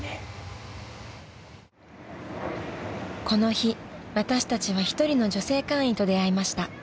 ［この日私たちは一人の女性会員と出会いました］